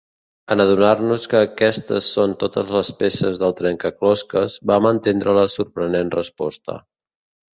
En adonar-nos que aquestes són totes les peces del trencaclosques, vam entendre la sorprenent resposta.